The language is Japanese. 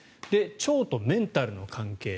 腸とメンタルの関係。